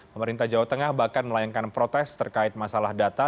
pemerintah jawa tengah bahkan melayangkan protes terkait masalah data